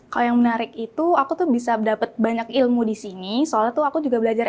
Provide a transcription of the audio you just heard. kalau yang menarik itu aku tuh bisa dapat banyak ilmu di sini soalnya tuh aku juga belajar